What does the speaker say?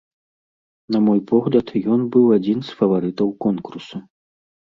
На мой погляд, ён быў адзін з фаварытаў конкурсу.